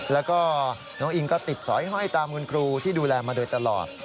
แล้วก็น้องอิงก็ติดสอยห้อยตามคุณครูที่ดูแลมาโดยตลอด